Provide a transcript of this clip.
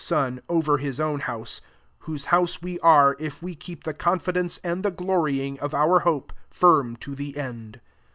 Sod, over his own house ; whose house we are, if we keep the confi dence and the gloryingp of our hope firm to the end.